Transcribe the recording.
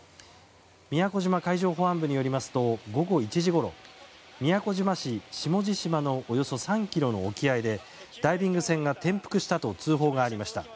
宮古島海上保安部によりますと午後１時ごろ宮古島市下地島のおよそ３ｋｍの沖合でダイビング船が転覆したと通報がありました。